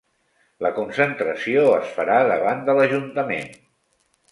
La concentració es farà davant de l'ajuntament